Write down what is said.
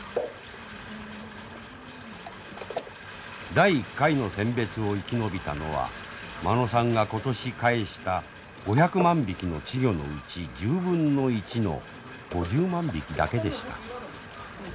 第１回の選別を生き延びたのは間野さんが今年かえした５００万匹の稚魚のうち１０分の１の５０万匹だけでした。